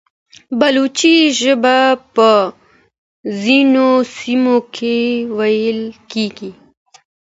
بلوچي ژبه په ځینو سیمو کې ویل کېږي.